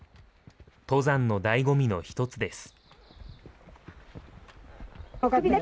登山のだいご味の一つです。